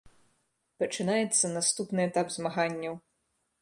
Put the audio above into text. Пачынаецца наступны этап змаганняў.